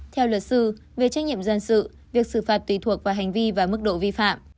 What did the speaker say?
theo luật sư về trách nhiệm dân sự việc xử phạt tùy thuộc vào hành vi và mức độ vi phạm